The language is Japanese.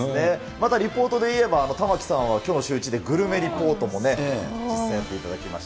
またリポートでいえば玉城さんはきょうのシューイチでグルメリポートもね、実際やっていただきまして。